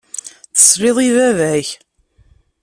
Tesliḍ i baba-k.